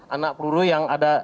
anak peluru yang ada